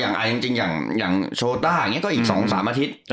จริงอย่างโชต้าอย่างนี้ก็อีก๒๓อาทิตย์